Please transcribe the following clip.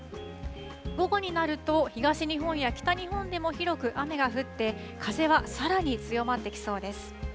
午後になると東日本や北日本でも広く雨が降って風はさらに強まってきそうです。